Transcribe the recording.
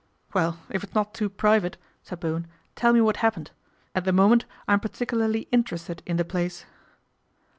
Well, if it's not too private," said Bowen, " tell me what happened. At the moment I'm particularly interested in the place."